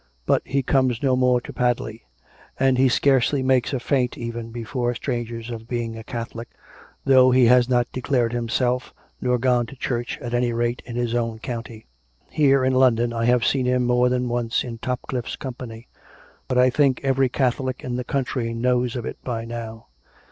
But he comes no more to Padley. And he scarcely makes a feint even before strangers of being a Catholic, though he has not declared himself, nor gone to church, at any rate in his own county. Here in London I have seen him more than once in Topcliffe's com pany. But I think that every Catholic in the country knows of it by now.